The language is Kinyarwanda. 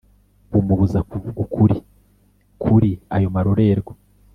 bumubuza kuvuga ukuri kuri ayo marorerwa.